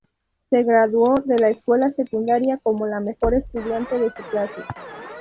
Se graduó de la escuela secundaria como la mejor estudiante de su clase.